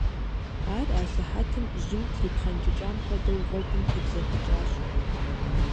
Ар асыхьэтым, жьым трипхъэнкӀыкӀам хуэдэу, гъуэгум тебзэхыкӀащ.